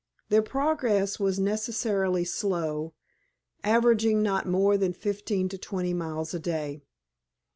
Their progress was necessarily slow, averaging not more than fifteen to twenty miles a day.